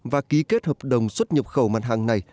và ký kết hợp đồng xuất nhập khẩu mặt hàng này